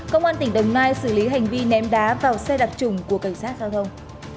công an tỉnh đồng nai xử lý hành vi ném đá vào xe đặc trùng của cảnh sát giao thông